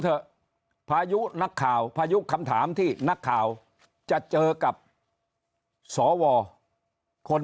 เถอะพายุนักข่าวพายุคำถามที่นักข่าวจะเจอกับสวคน